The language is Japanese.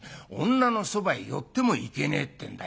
女のそばへ寄ってもいけねえってんだよ。